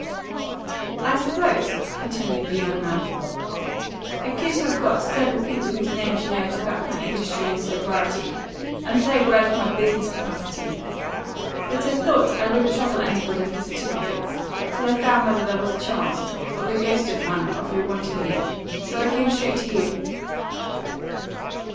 "I suppose," continued the young man, "I could have got several people whose names you know to back my industry and sobriety, and say a word for my business capacity. But I thought I wouldn't trouble anybody for certificates till I found whether there was a chance, or the ghost of one, of your wanting me. So I came straight to you."